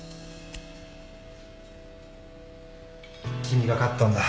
君が勝ったんだ。